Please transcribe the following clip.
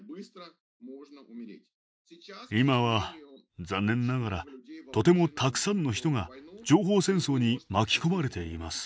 今は残念ながらとてもたくさんの人が情報戦争に巻き込まれています。